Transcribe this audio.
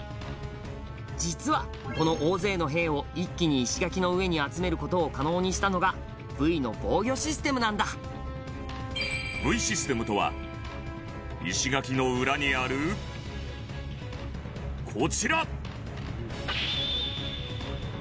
実は、この大勢の兵を一気に石垣の上に集める事を可能にしたのがＶの防御システムなんだＶシステムとは石垣の裏にあるこちら！